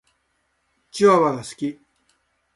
チワワが好き。